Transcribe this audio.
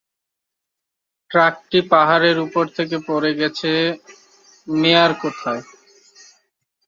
ট্রাকটি পাহাড়ের উপর থেকে পরে গেছে -মেয়ার কোথায়?